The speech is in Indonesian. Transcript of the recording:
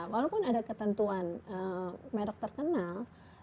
walaupun ada ketentuan merek terkenal